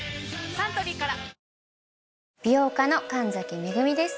サントリーから美容家の神崎恵です